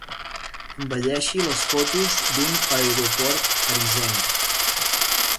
Embelleixi les fotos d'un aeroport parisenc.